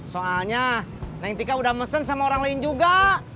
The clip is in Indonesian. soalnya neng tika udah mesen sama orang lain juga